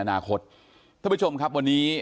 อนาคตท่านผู้ชมครับวันนี้